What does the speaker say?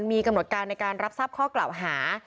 มีกำหนดการในการรับทราบข้อกล่าวหา